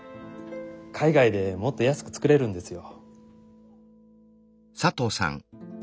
海外でもっと安く作れるんですよ。